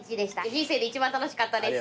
人生で一番楽しかったです。